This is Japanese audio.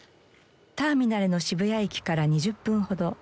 ターミナルの渋谷駅から２０分ほど。